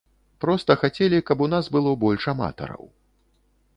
Проста хацелі, каб у нас было больш аматараў.